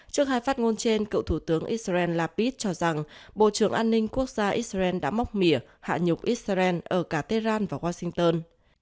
trước hai phát ngôn trên cựu thủ tướng israel lapid cho rằng bộ trưởng an ninh quốc gia israel đã móc mỉa hạ nhục israel ở cả tehran và washington